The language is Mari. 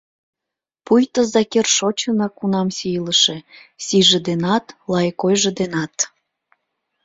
Пуйто Закир шочынак унам сийлыше — Сийже денат, лайык ойжо денат.